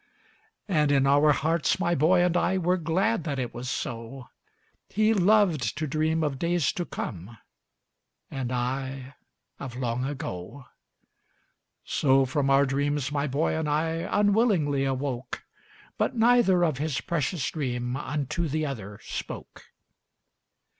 And in our hearts my boy and I Were glad that it was so; He loved to dream of days to come, And I of long ago. So from our dreams my boy and I Unwillingly awoke, But neither of his precious dream Unto the other spoke.